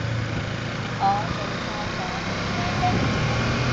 我做錯咗啲咩啫？